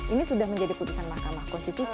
ini sudah menjadi putusan mahkamah konstitusi